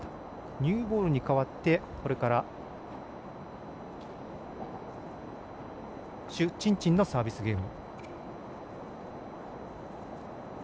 ニューボールにかわってこれから朱珍珍のサービスゲーム。